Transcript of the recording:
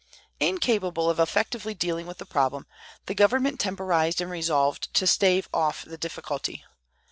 Incapable of effectively dealing with the problem, the government temporized and resolved to stave off the difficulty.